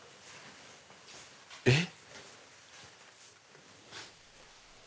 えっ？